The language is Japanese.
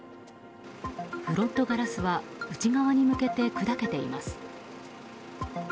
フロントガラスは内側に向けて砕けています。